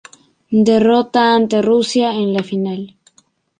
Derrota ante Rusia en la final.